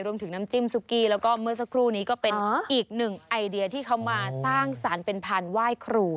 รวมถึงน้ำจิ้มซุกี้แล้วก็เมื่อสักครู่นี้ก็เป็นอีกหนึ่งไอเดียที่เขามาสร้างสรรค์เป็นพันธุ์ไหว้ครู